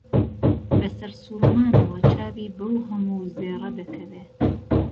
بەسەر سووڕمانەوە چاوی بەو هەموو زێڕە دەکەوێ